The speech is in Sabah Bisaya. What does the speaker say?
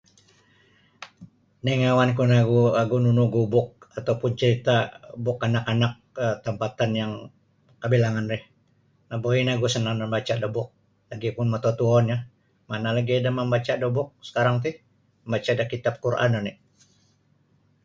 Ningouanku nogu ogu nunu ogu buuk atau pun carita' buk anak-anak um tampatan yang kabilangan ri nabuai nio ogu sa' nambaca da buk lagi pun mututuo nio mana lagi' ada mambaca da buk sakarang ti mambaca da kitab Quran oni'.